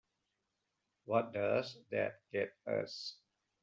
What does that get us?